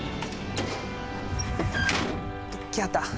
来はった。